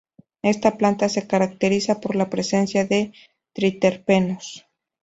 Esta planta se caracteriza por la presencia de triterpenos.